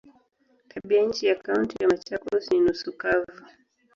Tabianchi ya Kaunti ya Machakos ni nusu kavu.